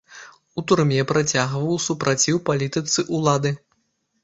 У турме працягваў супраціў палітыцы ўлады.